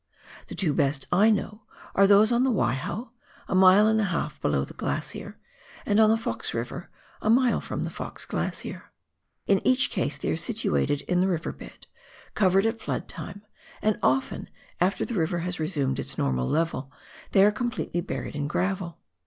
The two best I know are those on the Waiho, a mile and a half below the glacier, and on the Fox River, a mile from the Fox Glacier. In each case they are sitiiated in the river bed, covered at flood time, and often after the river has resumed its normal level, they are completely buried in gravel.